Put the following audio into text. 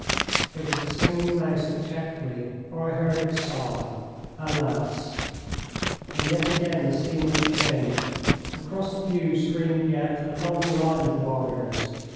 It was the Singing Mouse that checked me; for I heard it sigh: "Alas!" And yet again the scene was changed. Across the view streamed yet a long line of warriors.